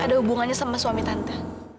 ada hubungannya sama suami tante